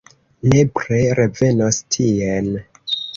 Nepre revenos tien!